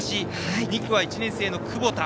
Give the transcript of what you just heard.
２区は１年生の窪田。